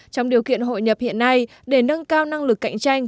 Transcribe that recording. trong điều kiện hội nhập hiện nay để nâng cao năng lực cạnh tranh